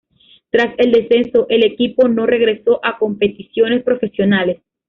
Tras el descenso el equipo no regresó a competiciones profesionales.